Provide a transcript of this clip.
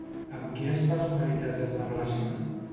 Amb quines personalitats es va relacionar?